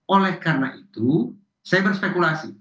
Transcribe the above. oleh karena itu saya berspekulasi